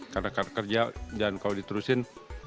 karena kerja dan kalau diterusin